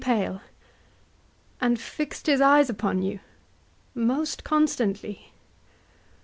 HAMLET. And fix'd his eyes upon you? HORATIO. Most constantly.